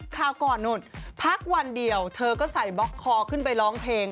คราวก่อนนู่นพักวันเดียวเธอก็ใส่บล็อกคอขึ้นไปร้องเพลง